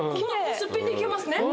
すっぴんでいけますね。